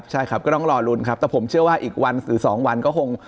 ใช่ครับก็ต้องรอลุ้นครับแต่ผมเชื่อว่าอีกวันหรือ๒วันก็คง